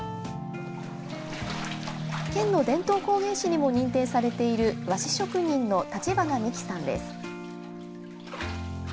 県の伝統工芸士にも認定されている和紙職人の橘三紀さんです。